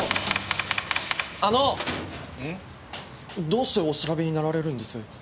どうしてお調べになられるんです？